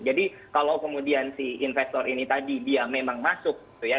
jadi kalau kemudian si investor ini tadi dia memang masuk gitu ya